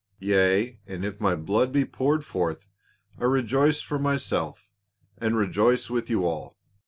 Yea, and if my blood be poured forth, I rejoice for myself, and rejoice with you all.